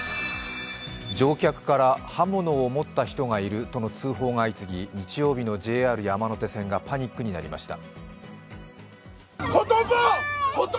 乗客から、刃物を持った人がいるとの通報が相次ぎ、日曜日のＪＲ山手線がパニックになりました。